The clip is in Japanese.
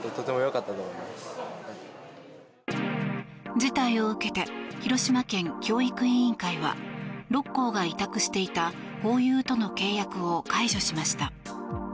事態を受けて広島県教育委員会は６校が委託していたホーユーとの契約を解除しました。